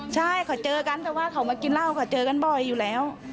ใช่เขาเจอกันแต่ว่าเขามากินเหล้าเขาเจอกันบ่อยอยู่แล้ว